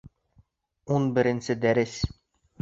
Ун беренсе дәрес